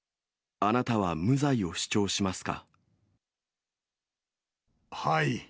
あなたは無罪を主張しますか？